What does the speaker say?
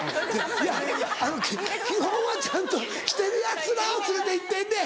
いや基本はちゃんとしてるヤツらを連れて行ってんねん。